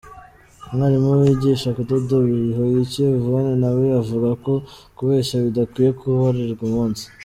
Umwarimu wigisha kudoda Bihoyiki Yvonne, na we avuga ko kubeshya bidakwiye guharirwa umunsi.